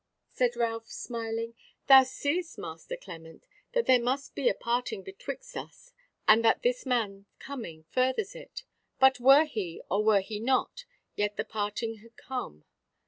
Said Ralph, smiling: "Thou seest, Master Clement, that there must be a parting betwixt us, and that this man's coming furthers it: but were he or were he not, yet the parting had come.